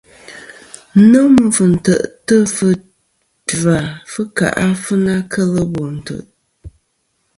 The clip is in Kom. Nômɨ fɨ̀ntè'tɨ fɨ ngva fɨ̀ kà kel bo ntè'.